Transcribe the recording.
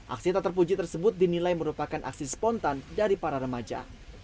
aksi tak terpuji tersebut dinilai merupakan aksi spontan dari para remaja